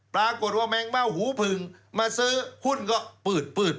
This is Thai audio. ปรากฏว่าแมงเม่าหูผึ่งมาซื้อหุ้นก็ปืด